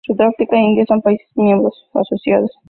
Sudáfrica e India son países miembros asociados.